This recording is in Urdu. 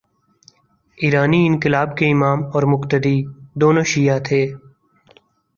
ایرانی انقلاب کے امام اور مقتدی، دونوں شیعہ تھے۔